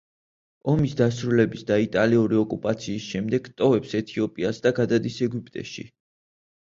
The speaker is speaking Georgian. ომის დასრულების და იტალიური ოკუპაციის შემდეგ ტოვებს ეთიოპიას და გადადის ეგვიპტეში.